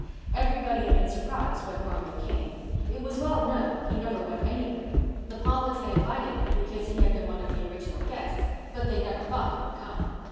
Everybody had been surprised when Norman came. It was well known he never went anywhere. The Pollocks had invited him because he had been one of the original guests, but they never thought he would come.